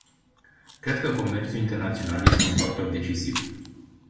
Cred că comerțul internațional este un factor decisiv.